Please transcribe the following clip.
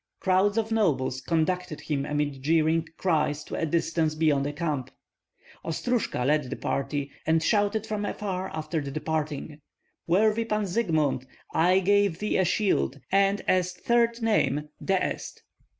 Crowds of nobles conducted him amid jeering cries to a distance beyond the camp. Ostrojka led the party, and shouted from afar after the departing, "Worthy Pan Zygmunt, I give thee a shield, and as third name Deest!"